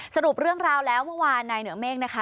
สรุปเรื่องราวแล้วเมื่อวานนายเหนือเมฆนะคะ